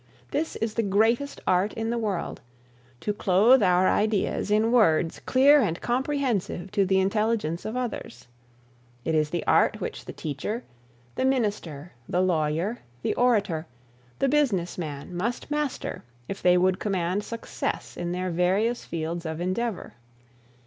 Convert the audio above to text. This is the greatest art in the world to clothe our ideas in words clear and comprehensive to the intelligence of others. It is the art which the teacher, the minister, the lawyer, the orator, the business man, must master if they would command success in their various fields of endeavor.